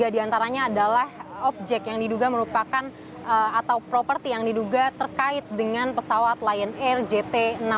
tiga diantaranya adalah objek yang diduga merupakan atau properti yang diduga terkait dengan pesawat lion air jt enam ratus sepuluh